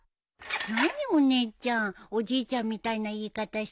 何お姉ちゃんおじいちゃんみたいな言い方して。